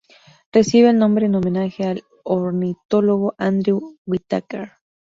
Recibe el nombre en homenaje al ornitólogo Andrew Whittaker.